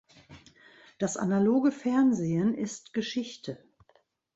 Das analoge Fernsehen ist Geschichte.